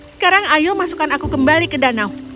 sekarang ayo masukkan aku kembali ke danau